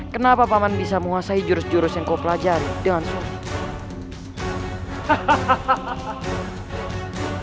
kenapa paman bisa menguasai jurus jurus yang kau pelajari